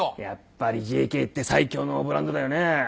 やっぱりＪＫって最強のブランドだよね。